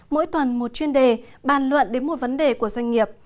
mỗi tuần một chuyên đề bàn luận đến một vấn đề của doanh nghiệp